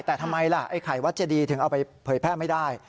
แต่ทำไมล่ะไอ้ไข่วัดเจดีถึงเอาไปเผยแพร่ไม่ได้